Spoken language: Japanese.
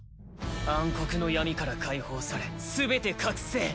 暗黒の闇から解放されすべて覚醒。